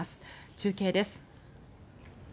中継です。